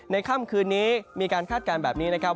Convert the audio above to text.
ค่ำคืนนี้มีการคาดการณ์แบบนี้นะครับ